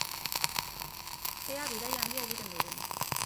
Ea bidaia handia egiten dugun!